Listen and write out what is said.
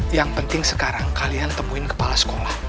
yang penting sekarang kalian temuin kepala sekolah